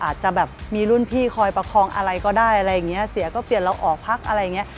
อาจจะแบบมีรุ่นพี่คอยประคองอะไรก็ได้อะไรอย่างเงี้เสียก็เปลี่ยนเราออกพักอะไรอย่างเงี้ย